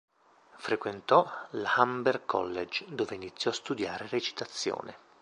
Frequentò l'Hamber College, dove iniziò a studiare recitazione.